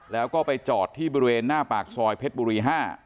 แล้วก็ไปจอดที่บริเวณหน้าปากซอยเพชรบุรี๕